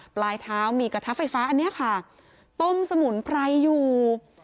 ปลายเท้ามีกระทะไฟฟ้าอันนี้ค่ะต้มสมุนไพรอยู่